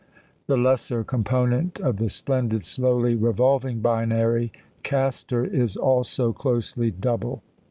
The lesser component of the splendid, slowly revolving binary, Castor, is also closely double.